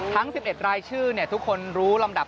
ทั้ง๑๑รายชื่อทุกคนรู้ลำดับ